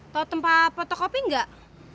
tau tempat potok kopi gak